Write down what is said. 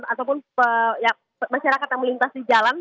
ataupun masyarakat yang melintasi jalan